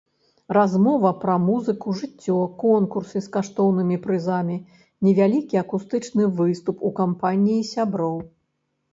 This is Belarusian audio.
Размова пра музыку, жыццё, конкурсы з каштоўнымі прызамі, невялікі акустычны выступ у кампаніі сяброў.